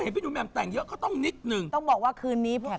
เห็นพี่หนูแม่งแต่งเยอะก็ต้องนิดนึง